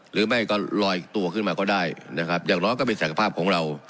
หรือไม่ก็ลอยตัวขึ้นมาก็ได้นะครับอย่างน้อยก็เป็นศักยภาพของเรา